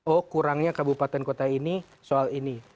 oh kurangnya kabupaten kota ini soal ini